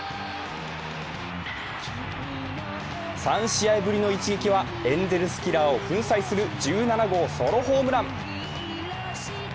３試合ぶりの一撃はエンゼルスキラーを粉砕する１７号ソロホームラン。